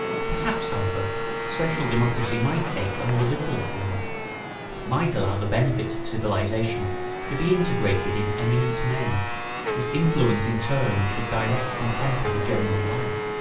] Perhaps, however, social democracy might take a more liberal form. It might allow the benefits of civilisation to be integrated in eminent men, whose influence in turn should direct and temper the general life.